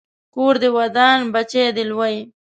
کور دې ودان، بچی دې لوی